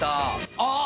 あっ！